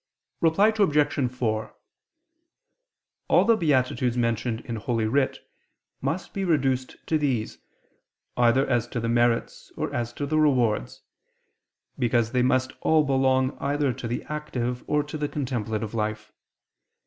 Reply Obj. 4: All the beatitudes mentioned in Holy Writ must be reduced to these, either as to the merits or as to the rewards: because they must all belong either to the active or to the contemplative life.